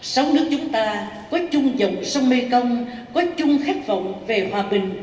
sông nước chúng ta có chung dòng sông mekong có chung khát vọng về hòa bình